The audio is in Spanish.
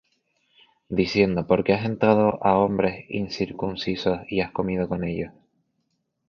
Diciendo: ¿Por qué has entrado á hombres incircuncisos, y has comido con ellos?